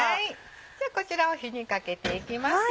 じゃあこちらを火にかけていきます。